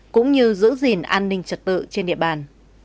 cũng như giữ gìn an ninh trật tự trên địa bàn